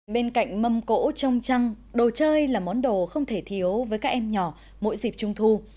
bên cạnh mâm cỗ trong trăng đồ chơi là món đồ không thể thiếu với các em nhỏ mỗi dịp trung thu